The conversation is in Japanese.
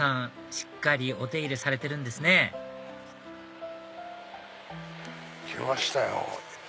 しっかりお手入れされてるんですね来ましたよ。